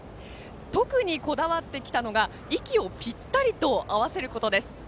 特にこだわってきたのは息をぴったりと合わせることです。